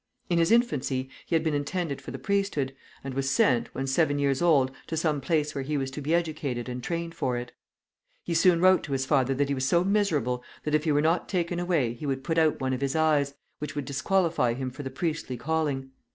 In his infancy he had been intended for the priesthood, and was sent, when seven years old, to some place where he was to be educated and trained for it. He soon wrote to his father that he was so miserable that if he were not taken away he would put out one of his eyes, which would disqualify him for the priestly calling.